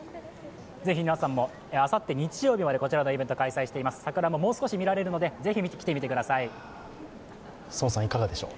ぜひ皆さんも日曜日までこちらのイベント開催しています、桜ももう少し見られるので、ぜひ来てみてください。